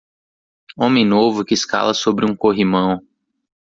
Homem novo que escala sobre um corrimão.